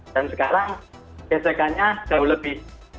dan sekarang gesekannya jauh lebih